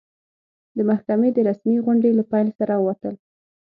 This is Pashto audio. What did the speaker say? د محکمې د رسمي غونډې له پیل سره ووتل.